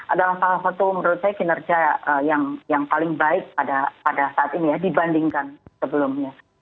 adalah salah satu menurut saya kinerja yang paling baik pada saat ini ya dibandingkan sebelumnya